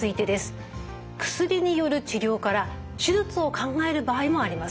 薬による治療から手術を考える場合もあります。